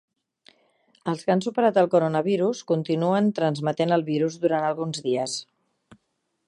Els que han superat el coronavirus continuen transmetent el virus durant alguns dies